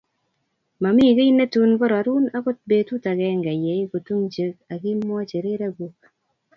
Momii kiy netun korerun akot betut agenge ye ikutungchi akimwochi rirek kuk